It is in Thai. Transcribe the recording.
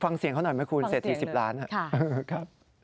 ฟังเสียงเขาหน่อยไหมคุณเสียที๑๐ล้านค่ะฟังเสียงหน่อยค่ะ